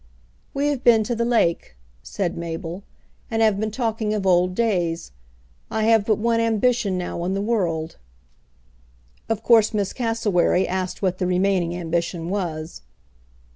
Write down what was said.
"We have been to the lake," said Mabel, "and have been talking of old days. I have but one ambition now in the world." Of course Miss Cassewary asked what the remaining ambition was.